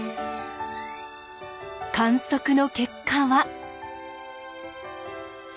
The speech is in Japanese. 観測の結果は。